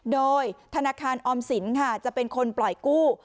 โดยธนาคารออมสินค่ะจะเป็นคนปล่อยกู้